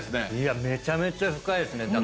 めちゃめちゃ深いですね。